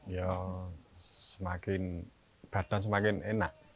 ya semakin badan semakin enak